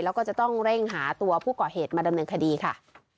แล้วก็จะต้องเร่งหาตัวผู้ก่อเหตุมาดำเนินคดีค่ะ